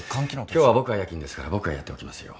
今日は僕が夜勤ですから僕がやっておきますよ。